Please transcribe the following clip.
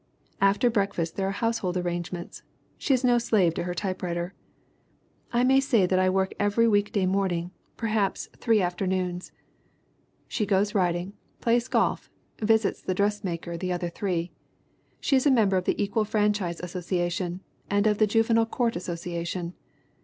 After breakfast there are household arrangements. She is no slave to her typewriter. "I may say that I work every week day morning and perhaps three after MARY ROBERTS RINEHART 59 noons." She goes riding, plays golf, visits the dress maker the other three. She is a member of the Equal Franchise Association and of the Juvenile Court Asso ciation.